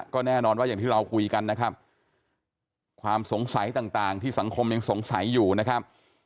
ก็แน่นอนว่าอย่างที่เราคุยกันนะครับความสงสัยต่างที่สังคมยังสงสัยอยู่นะครับ